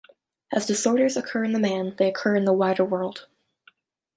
As disorders occur in the man, they occur in the wider world.